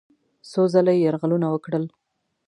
څو ځله یې یرغلونه وکړل.